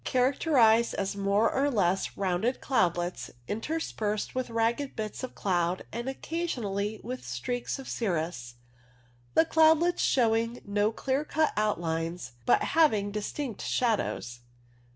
Characterized as more or less rounded cloudlets interspersed with ragged bits of cloud and occasion ally with streaks of cirrus, the cloudlets showing no clear cut outlines, but having distinct shadows.